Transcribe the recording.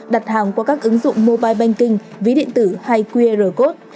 đặt hàng qua các ứng dụng mobile banking ví điện tử hay qr code